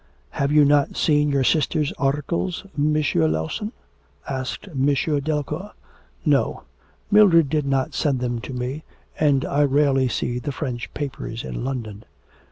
'Have you not seen your sister's articles, M. Lawson?' asked M. Delacour. 'No, Mildred did not send them to me, and I rarely see the French papers in London.'